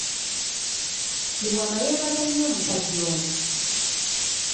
Lubwama yeebaza nnyo omusajja ono.